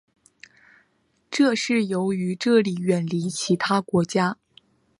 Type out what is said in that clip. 这是由于这里远离其他国家。